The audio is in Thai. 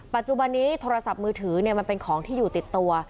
ปัจจุบันนี้โทรศัพท์มือถือมันเป็นของที่อยู่ติดตัว